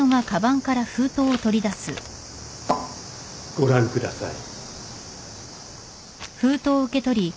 ご覧ください。